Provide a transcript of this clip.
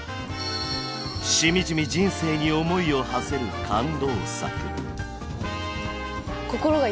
しみじみ人生に思いをはせる感動作。